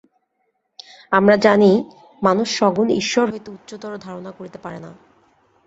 আমরা জানি, মানুষ সগুণ ঈশ্বর হইতে উচ্চতর ধারণা করিতে পারে না।